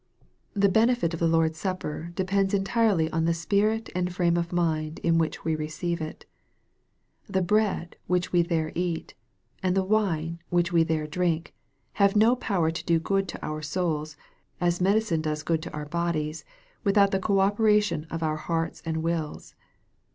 The benefit of the Lord's Supper depends entirely on the spirit and frame of mind in which we receive it. The bread which we there eat, and the wine which we there drink, have no power to do good to our souls, as medi cine does good to our bodies, without the co operation of our hoarts and mils.